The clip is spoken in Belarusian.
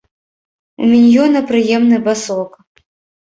У міньёна прыемны басок.